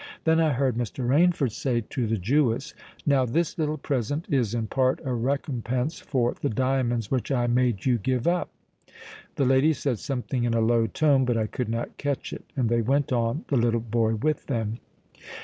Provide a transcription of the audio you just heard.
Then I heard Mr. Rainford say to the Jewess, 'Now this little present is in part a recompense for the diamonds which I made you give up.'—The lady said something in a low tone; but I could not catch it—and they went on, the little boy with them."